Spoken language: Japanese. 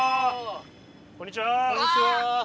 こんにちは。